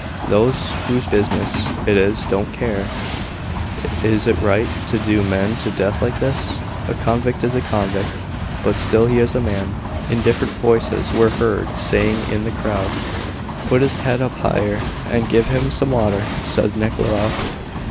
"Those whose business it is don't care. Is it right to do men to death like this? A convict is a convict, but still he is a man," different voices were heard saying in the crowd. "Put his head up higher, and give him some water," said Nekhludoff.